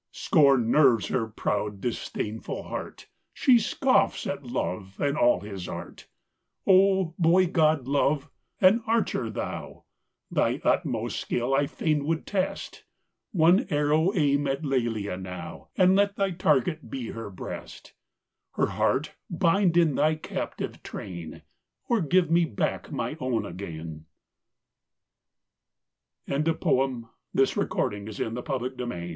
Scorn nerves her proud, disdainful heart ! She scoffs at Love and all his art ! Oh, boy god, Love ! An archer thou ! Thy utmost skill I fain would test ; One arrow aim at Lelia now, And let thy target be her breast ! Her heart bind in thy captive train, Or give me back my own again 1 THE DREAM OF LOVE.